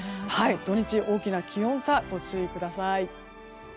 土日、大きな気温差ご注意ください。